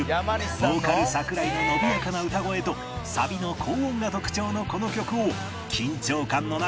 ボーカル桜井の伸びやかな歌声とサビの高音が特徴のこの曲を緊張感の中